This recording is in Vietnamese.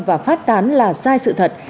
và phát tán là sai sự thật